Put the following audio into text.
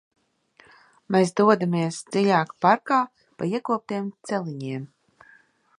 Mēs dodamies dziļāk parkā pa iekoptiem celiņiem.